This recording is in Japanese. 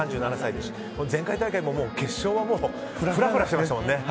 前回大会も決勝はふらふらしてましたもんね。